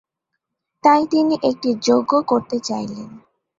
তাই তিনি একটি যজ্ঞ করতে চাইলেন।